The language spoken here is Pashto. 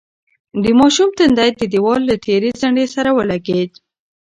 د ماشوم تندی د دېوال له تېرې څنډې سره ولگېد.